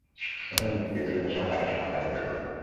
তখনো বুঝিনি গেট দিয়ে ঢোকার সময় বাড়ি লেগে মাথায় আঘাত পেয়েছিলাম।